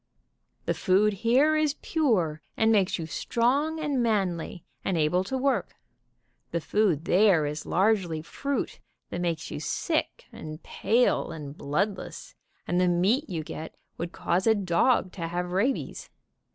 The food here is pure and makes you strong and manly, and able to work. The food there is largely fruit that makes you sick, and pale and bloodless, and the meat you get would cause a dog to have rabies.